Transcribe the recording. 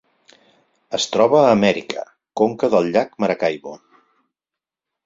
Es troba a Amèrica: conca del llac Maracaibo.